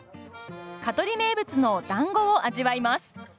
香取名物のだんごを味わいます。